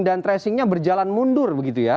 dan tracingnya berjalan mundur begitu ya